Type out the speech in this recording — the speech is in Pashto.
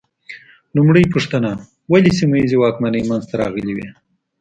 لومړۍ پوښتنه: ولې سیمه ییزې واکمنۍ منځ ته راغلې وې؟